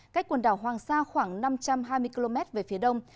cách quần đảo hoàng sa khoảng năm trăm hai mươi km về phía đông